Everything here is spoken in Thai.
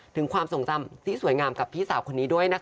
ถึงความทรงจำที่สวยงามกับพี่สาวคนนี้ด้วยนะคะ